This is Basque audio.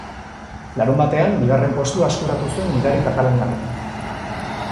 Larunbatean, bigarren postua eskuratu zuen gidari kataluniarrak.